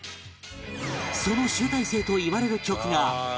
その集大成といわれる曲がこちら